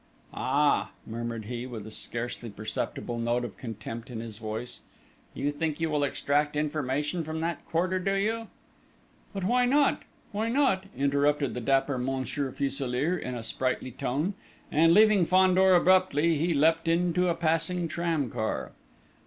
"Ah!" murmured he, with a scarcely perceptible note of contempt in his voice: "You think you will extract information from that quarter, do you?" "But why not? Why not?" interrupted the dapper Monsieur Fuselier, in a sprightly tone; and, leaving Fandor abruptly, he leapt into a passing tramcar.